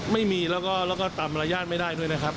ไม่มีแล้วก็ตามมารยาทไม่ได้ด้วยนะครับ